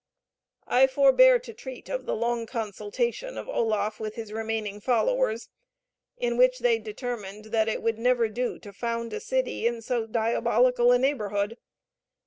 I forbear to treat of the long consultation of Oloffe with his remaining followers, in which they determined that it would never do to found a city in so diabolical a neighborhood.